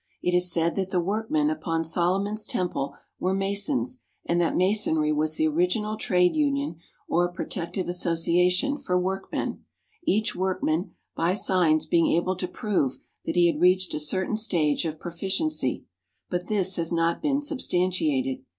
It is said that the workmen upon Solomon's Temple were Masons and that Masonry was the original trade union or protective association for workmen, each workman by signs being able to prove that he had reached a certain stage of proficiency; but this has not been substantiated.